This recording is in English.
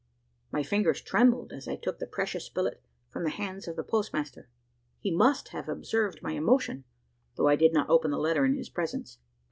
My fingers trembled as I took the precious billet from the hands of the postmaster. He must have observed my emotion though I did not open the letter in his presence.